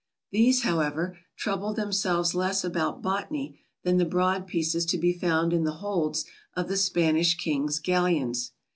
These, however, troubled themselves less about botany than the broad pieces to be found in the holds of the Spanish King's galleons.